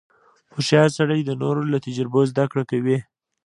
• هوښیار سړی د نورو له تجربو زدهکړه کوي.